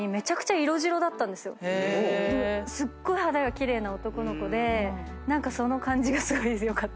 すっごい肌が奇麗な男の子で何かその感じがすごいよかった。